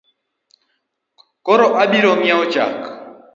Koro abirong’iewo chak?